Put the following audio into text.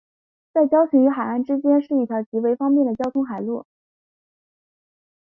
在礁群与海岸之间是一条极方便的交通海路。